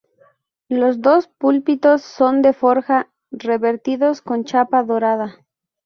Los dos púlpitos son de forja, revestidos con chapa dorada.